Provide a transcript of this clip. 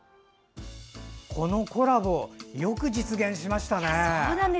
このコラボよく実現しましたね！